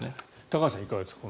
高橋さん、いかがですか。